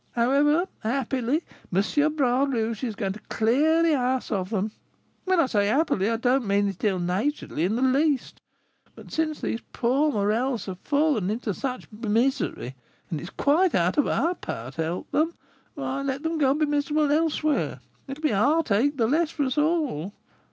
However, happily, M. Bras Rouge is going to clear the house of them, when I say happily, I don't mean it ill naturedly in the least; but since these poor Morels have fallen into such misery, and it is quite out of our power to help them, why let them go and be miserable elsewhere; it will be a heartache the less for us all."